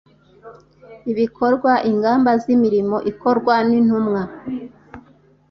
ibikorwa ingamba z imirimo ikorwa n intumwa